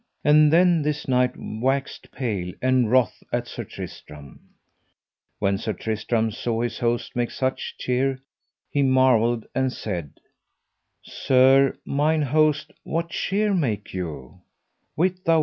And then this knight waxed pale and wroth at Sir Tristram. When Sir Tristram saw his host make such cheer he marvelled and said: Sir, mine host, what cheer make you?